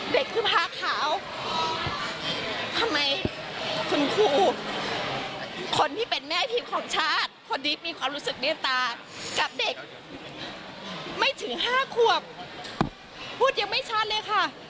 เด็กคือผ้าขาวทำไมคุณครูคนที่เป็นแม่ทีมของชาติคนนี้มีความรู้สึกเมตตากับเด็กไม่ถึง๕ขวบพูดยังไม่ชัดเลยค่ะ